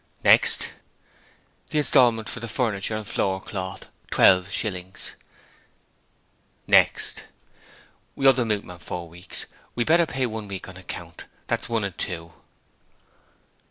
'Next?' 'The instalment for the furniture and floor cloth, twelve shillings.' 'Next?' 'We owe the milkman four weeks; we'd better pay one week on account; that's one and two.'